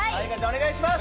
お願いします。